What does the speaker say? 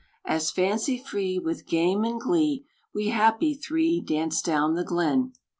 As, fancy free, With game and glee, We happy three Dance down the glen.